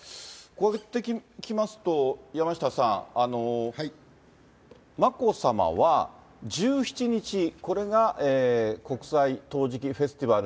こうやってきますと山下さん、眞子さまは１７日、これが国際陶磁器フェスティバル